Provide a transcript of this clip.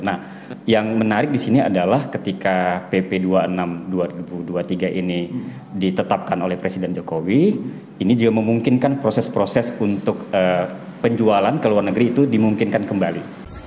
nah yang menarik di sini adalah ketika pp dua puluh enam dua ribu dua puluh tiga ini ditetapkan oleh presiden jokowi ini juga memungkinkan proses proses untuk penjualan ke luar negeri itu dimungkinkan kembali